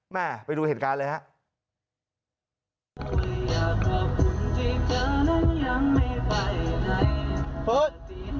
มาไปดูเหตุการณ์เลยฮะ